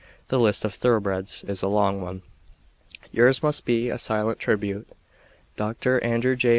The list of thoroughbreds is a long one. Yours must be a silent tribute. Doctor Andrew J.